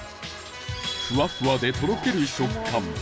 ふわふわでとろける食感